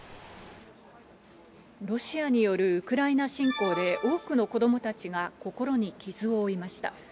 ロシアによるウクライナ侵攻で、多くの子どもたちが心に傷を負いました。